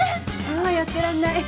あやってらんない。